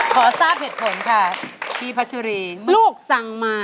ขอทราบเหตุผลค่ะที่พัชรีลูกสั่งมา